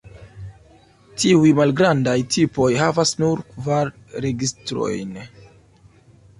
Tiuj malgrandaj tipoj havas nur kvar registrojn.